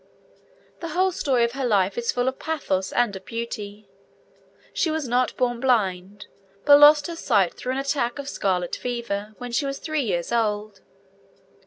The whole story of her life is full of pathos and of beauty. She was not born blind, but lost her sight through an attack of scarlet fever when she was three years old.